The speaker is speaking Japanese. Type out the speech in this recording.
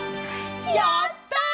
やった！